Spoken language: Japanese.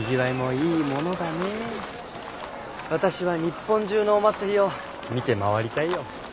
私は日本中のお祭りを見て回りたいよ。